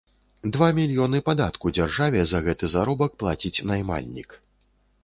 Два мільёны падатку дзяржаве за гэты заробак плаціць наймальнік.